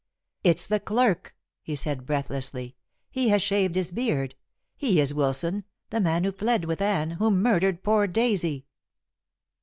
"It's the clerk," he said breathlessly. "He has shaved his beard. He is Wilson, the man who fled with Anne, who murdered poor Daisy!"